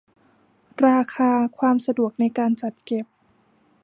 ราคา ความสะดวกในการจัดเก็บ